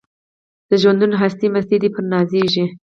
د ژوندون هستي مستي ده پرې نازیږي